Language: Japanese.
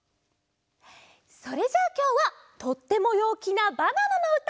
それじゃあきょうはとってもようきなバナナのうた！